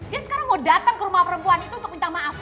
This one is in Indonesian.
dia sekarang mau datang ke rumah perempuan itu untuk minta maaf